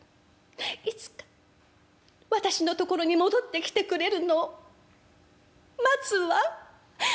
いつか私のところに戻ってきてくれるのを待つわ」。